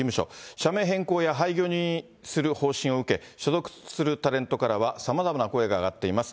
社名変更や廃業にする方針を受け、所属するタレントからはさまざまな声が上がっています。